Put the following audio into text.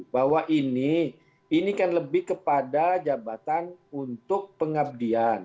bahwa ini ini kan lebih kepada jabatan untuk pengabdian